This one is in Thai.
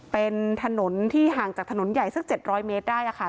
เป็นถนนที่ห่างจากถนนใหญ่สัก๗๐๐เมตรได้ค่ะ